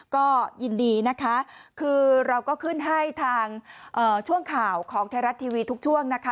ก็ยินดีนะคะคือเราก็ขึ้นให้ทางช่วงข่าวของไทยรัฐทีวีทุกช่วงนะคะ